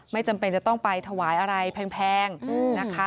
ไม่จำเป็นจะต้องไปถวายอะไรแพงนะคะ